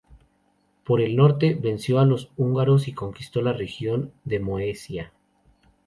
Por el norte, venció a los húngaros y conquistó la región de Moesia.